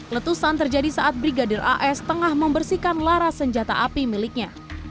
letusan terjadi saat brigadir as tengah membersihkan laras senjata api miliknya